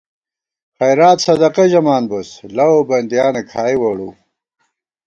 خیرات صدقہ ژَمان بوس، لَؤ بندِیانہ کھائی ووڑُوؤ